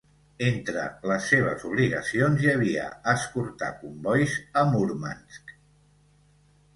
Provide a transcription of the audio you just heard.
Entre les seves obligacions hi havia escortar combois a Murmansk.